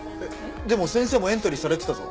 でも先生もエントリーされてたぞ。